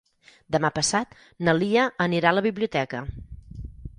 Demà passat na Lia anirà a la biblioteca.